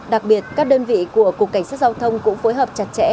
đặc biệt các đơn vị của cục cảnh sát giao thông cũng phối hợp chặt chẽ